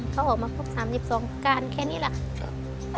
เค้าออกมาพบ๓๒ประการแค่นี้แหละ